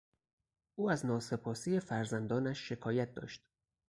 او از ناسپاسی فرزندانش شکایت داشت.